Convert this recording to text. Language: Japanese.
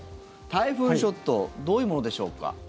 タイフーンショットどういうものでしょうか。